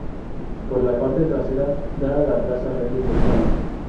Por la parte trasera da a la Plaza Reyes de España.